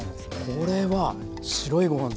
これは白いご飯